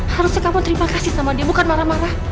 harusnya kamu terima kasih sama dia bukan marah marah